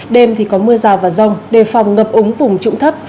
đêm thì có mưa rào và rong đề phòng ngập ống vùng trụng thấp